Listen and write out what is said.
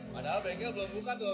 padahal bengkel belum buka tuh